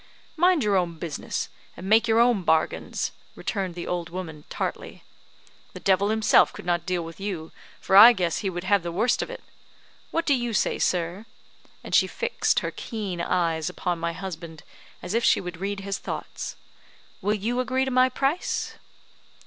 "Mind your own business, and make your own bargains," returned the old woman, tartly. "The devil himself could not deal with you, for I guess he would have the worst of it. What do you say, sir?" and she fixed her keen eyes upon my husband, as if she would read his thoughts. "Will you agree to my price?"